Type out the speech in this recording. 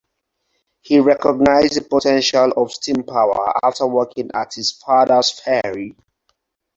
He recognized the potential of steam power after working at his father's ferry.